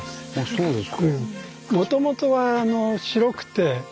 そうです。